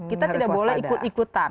kita tidak boleh ikut ikutan